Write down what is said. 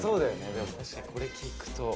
でも確かにこれ聞くと。